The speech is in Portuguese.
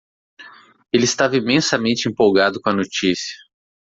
Ele estava imensamente empolgado com a notícia.